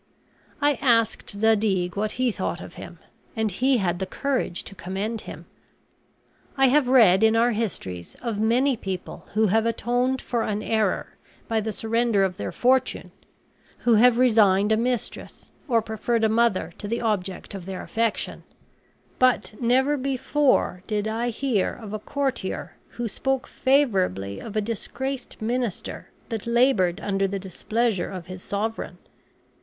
I asked Zadig what he thought of him, and he had the courage to commend him. I have read in our histories of many people who have atoned for an error by the surrender of their fortune; who have resigned a mistress; or preferred a mother to the object of their affection; but never before did I hear of a courtier who spoke favorably of a disgraced minister that labored under the displeasure of his sovereign.